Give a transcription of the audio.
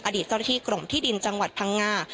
อดีตเจ้าหน้าที่กรมที่ดินจังหวัดพังงา